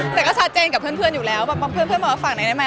แต่ก็ชัดเจนกับเพื่อนอยู่แล้วแบบเพื่อนบอกว่าฝากหน่อยได้ไหม